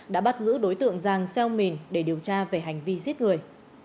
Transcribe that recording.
đã bắt giữ đối tượng giàng xeo mìn để điều tra về hành vi giết người